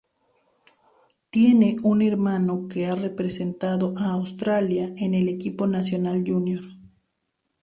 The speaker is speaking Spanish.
Tiene un hermano que ha representado a Australia en el equipo nacional junior.